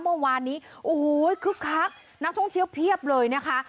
เมื่อวานนี้โอ้โหคึกคักนักท่องเที่ยวเพียบเลยนะคะ